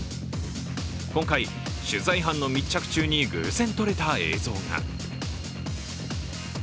今回、取材班の密着中に偶然撮れた映像が。